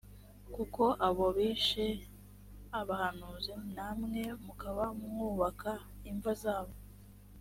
kuko abo bishe d abahanuzi namwe mukaba mwubaka imva zabo